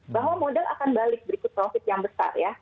bahwa modal akan balik berikut profit yang besar ya